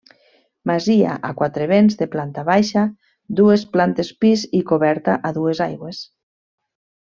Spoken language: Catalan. Masia a quatre vents de planta baixa, dues plantes pis i coberta a dues aigües.